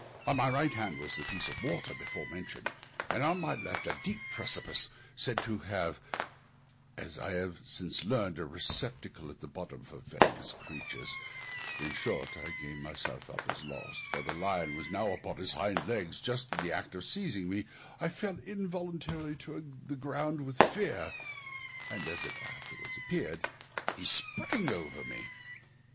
On my right hand was the piece of water before mentioned, and on my left a deep precipice, said to have, as I have since learned, a receptacle at the bottom for venomous creatures; in short I gave myself up as lost, for the lion was now upon his hind legs, just in the act of seizing me; I fell involuntarily to the ground with fear, and, as it afterwards appeared, he sprang over me.